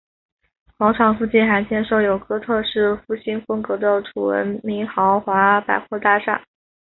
广场附近还建设有哥特式复兴风格的楚闻明豪华百货大厦。